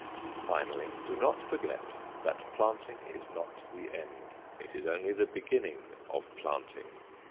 Finally, do not forget that planting is not the end; it is only the beginning of planting.